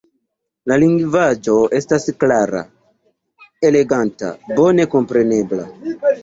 La lingvaĵo estas klara, eleganta, bone komprenebla.